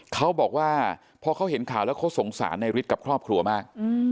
เขาบอกว่าพอเขาเห็นข่าวแล้วเขาสงสารในฤทธิ์กับครอบครัวมาก